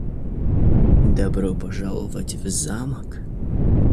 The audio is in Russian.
Добро пожаловать в Замок.